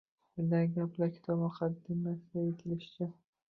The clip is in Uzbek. “Dildagi gaplar” kitobi muqaddimasida aytilishicha